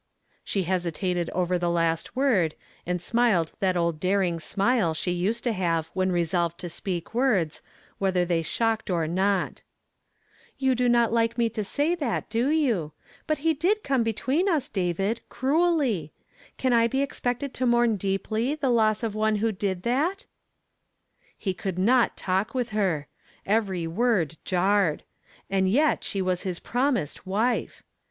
She hesitated over the last M^ord, and smiled that old daring smile she used to have when resolved to speak words, whether they shocked or not " You do not like me to say that, do you ? But he did come between us, David, cruelly. Can did thaf?'"'^ *""'^''"''' deeply the loss of one who A n? T^^ "'^*'^^^^'^^^''' ^""''y ^«rd jarred. And yet she was his promised wife